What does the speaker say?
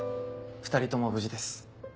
２人とも無事です。